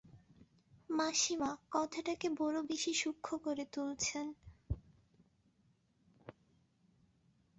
মাসিমা, কথাটাকে বড়ো বেশি সূক্ষ্ম করে তুলছেন।